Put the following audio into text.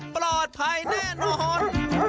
ปลอดภัยแน่นอน